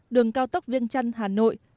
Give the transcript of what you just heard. đường cao tốc viên chăn hà nội